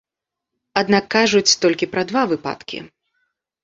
Аднак кажуць толькі пра два выпадкі.